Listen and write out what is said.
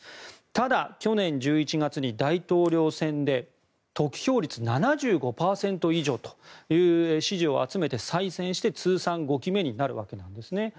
ただ、去年１１月に大統領選で得票率７５％以上という支持を集めて再選して、通算５期目になるわけなんですね。